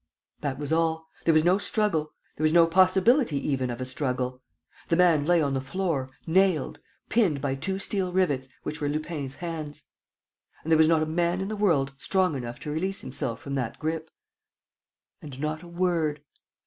That was all. There was no struggle. There was no possibility even of a struggle. The man lay on the floor, nailed, pinned by two steel rivets, which were Lupin's hands. And there was not a man in the world strong enough to release himself from that grip. And not a word.